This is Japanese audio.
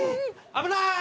危ない！